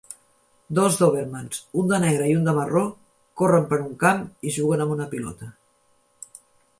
Dos dòbermans, un de negre i un de marró, corren per un camp i juguen amb una pilota.